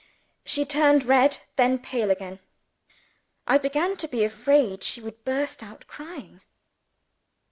She turned red then pale again. I began to be afraid she would burst out crying.